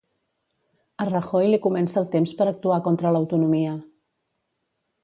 A Rajoy li comença el temps per actuar contra l'autonomia.